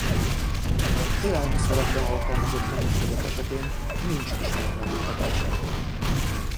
Élelmiszerekben alkalmazott mennyiségek esetén nincs ismert mellékhatása.